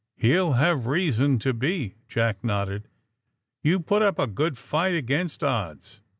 He'll have reason to be," Jack nodded. You put up a good fight against odds."